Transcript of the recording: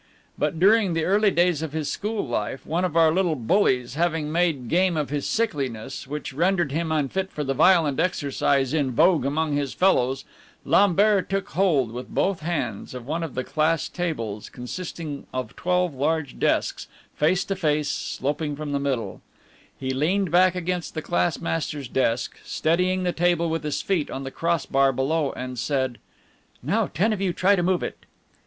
But during the early days of his school life, one of our little bullies having made game of this sickliness, which rendered him unfit for the violent exercise in vogue among his fellows, Lambert took hold with both hands of one of the class tables, consisting of twelve large desks, face to face and sloping from the middle; he leaned back against the class master's desk, steadying the table with his feet on the cross bar below, and said: "Now, ten of you try to move it!"